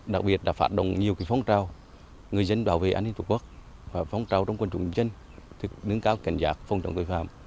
đặc biệt là phát động nhiều cái phong trào người dân bảo vệ an ninh tổ quốc và phong trào trong quan trọng dân thức nâng cao cảnh giác phong trọng tội phạm